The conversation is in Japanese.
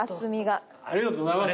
ありがとうございます。